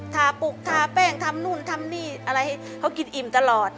ทาปุกทาแป้งทำนู่นทำนี่อะไรให้เขากินอิ่มตลอด